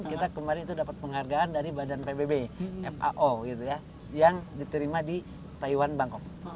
kita kemarin itu dapat penghargaan dari badan pbb fao yang diterima di taiwan bangkok